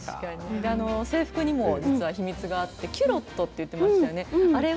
制服にも実は秘密があってキュロットと言っていましたよね。